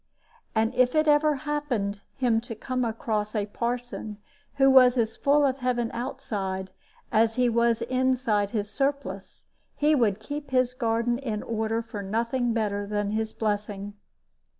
And if it ever happened him to come across a parson who was as full of heaven outside as he was inside his surplice, he would keep his garden in order for nothing better than his blessing.